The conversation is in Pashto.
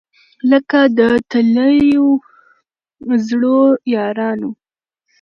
لکه د تللیو زړو یارانو